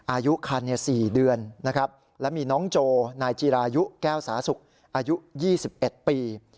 อายุคัณฑ์๔เดือนและมีน้องโจนายจิรายุแก้วสาศุกร์อายุ๒๑ปี